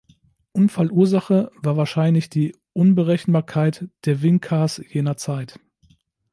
Unfallursache war wahrscheinlich die Unberechenbarkeit der "Wing-Cars" jener Zeit.